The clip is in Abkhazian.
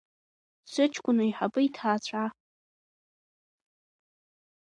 Сыҷкәын аиҳабы иҭаацәа…